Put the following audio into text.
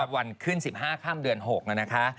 วันขึ้น๑๕ข้ามเดือน๖น่ะนะคะ